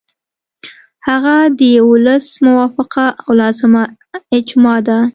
هغه د ولس موافقه او لازمه اجماع ده.